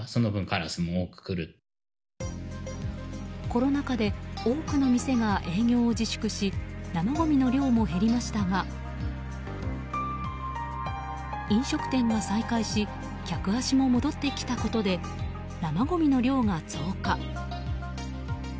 コロナ禍で多くの店が営業を自粛し生ごみの量も減りましたが飲食店が再開し客足も戻ってきたことで生ごみの量が増加。